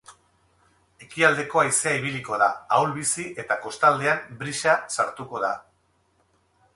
Ekialdeko haizea ibiliko da, ahul-bizi eta kostaldean brisa sartuko da.